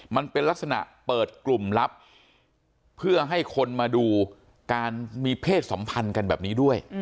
มันเป็นลักษณะเปิดกลุ่มลับเพื่อให้คนมาดูการมีเพศสัมพันธ์กันแบบนี้ด้วย